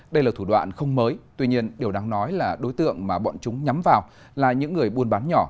đây là thủ đoạn không mới tuy nhiên điều đáng nói là đối tượng mà bọn chúng nhắm vào là những người buôn bán nhỏ